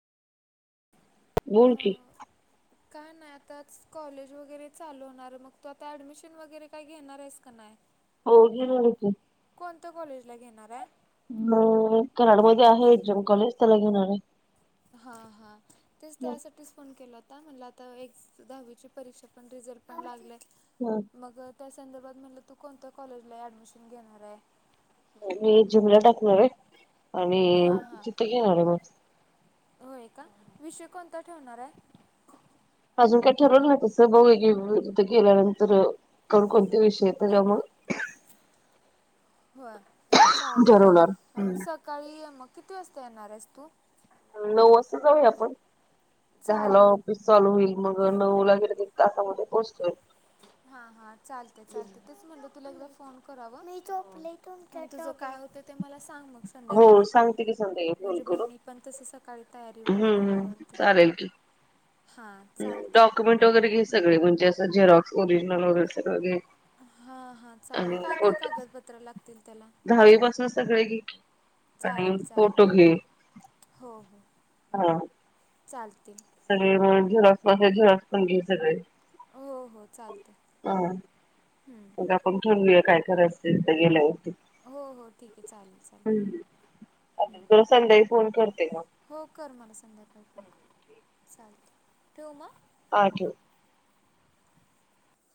बोल की. काय नाही आताच कॉलेज वगैरे चालू होणार आहे. मग तू आता ऍडमिशन वगैरे काही घेणार आहेस का नाही? हो घेणार आहे की. कोणत्या कॉलेज ला घेणार आहे. म कराड मध्ये आहे. ए. जम कॉलेज त्याला घेणार आहे. हा हा तेच त्यासाठीच फोन केला होता म्हणल आता. आता एक दहावीची परीक्षा. पण रिझर्ट पण लागलं हम्म. मग. त्या संदर्भात म्हणलं तू कोणत्या कॉलेजला ऍडमिशन घेणार आहे. मी जुनला टाकणार आहे. आणि हां हां तिथं घेणार आहे मग. होय का विषय कोणता ठेवणार आहे? अजून काय ठरवलं नाही तसं. बगु या की तिथं गेल्यानंतर. कोण कोणत्या विषयात हाईत तेच्या मूळ. होय. चालतय ठरवणार. सकाळी ये मग किती वाजता. येणार आहेस तू. नऊ वाजता जाऊया आपण दहाला चालेल ऑफिस चालू होईल मग नऊ ला एक तासामध्ये पोचतोय. हा हा चालतय-चालतय तेच म्हंटलं. तुला फोन कराव नाही पले काय होते ते मला सांग मग हो संध्याकाळी सांगते की संध्याकाळी फोन म्हणजे मग करून. मी पण तस सकाळी तयारी हम्म वगैरे हम्म आवडते चालेल की. डॉक्युमेंट वगैरे घे सगळे म्हणजे जेरॉक्सओिजनल वगैेगे हां हां चालेल आणि काय काय फोट कागदपत्रं लागतील त्याला दहावी पासून सगळे घे चालेल आणि चालेल फोटो घे हा चालते सगळे झेरॉक्स पण गे सगळे हो हो चालतं हा मग आपण ठरूया काय करायचथ गेल्यावरती हो हो ठीक आहे चालेल हम् चालेल ज संद्याकाळी फोन करते ना चाल ठेवू मग हा ठेव